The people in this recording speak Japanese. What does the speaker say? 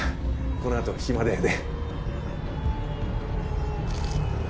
この後暇だよね？